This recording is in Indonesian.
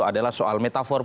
inilah oren oren